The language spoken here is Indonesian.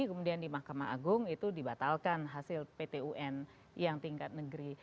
kemudian di mahkamah agung itu dibatalkan hasil pt un yang tingkat negeri